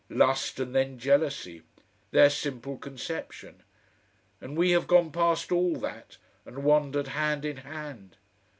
"Lust and then jealousy; their simple conception and we have gone past all that and wandered hand in hand...."